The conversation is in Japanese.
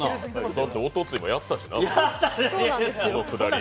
だって、おとついもやったしな、このくだり。